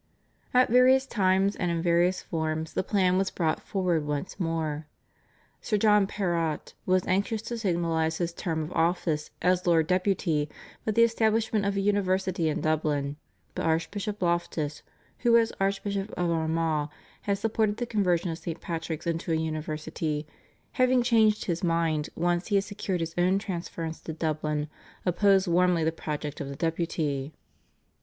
At various times and in various forms the plan was brought forward once more. Sir John Perrott was anxious to signalise his term of office as Lord Deputy by the establishment of a university in Dublin, but Archbishop Loftus, who as Archbishop of Armagh had supported the conversion of St. Patrick's into a university, having changed his mind once he had secured his own transference to Dublin, opposed warmly the project of the Deputy.